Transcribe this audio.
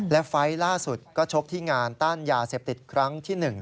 และไฟล์ล่าสุดก็ชกที่งานต้านยาเสพติดครั้งที่๑